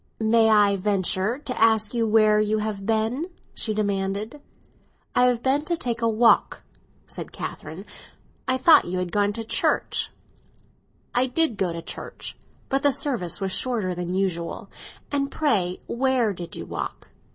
"May I venture to ask where you have been?" she demanded. "I have been to take a walk," said Catherine. "I thought you had gone to church." "I did go to church; but the service was shorter than usual. And pray, where did you walk?"